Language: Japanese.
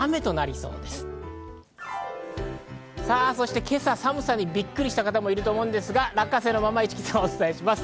そして今朝寒さにびっくりした方もいると思うんですが、落花生のまま市來さんがお伝えします。